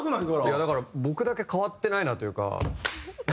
いやだから僕だけ変わってないなというか置いていかれた。